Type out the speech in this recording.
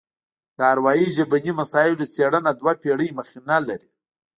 د اروايي ژبني مسایلو څېړنه دوه پېړۍ مخینه لري